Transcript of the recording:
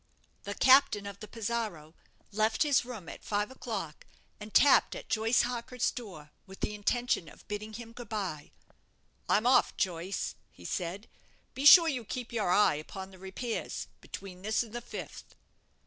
The captain of the 'Pizarro' left his room at five o'clock, and tapped at Joyce Marker's door with the intention of bidding him goodbye. "I'm off, Joyce," he said; "be sure you keep your eye upon the repairs between this and the fifth."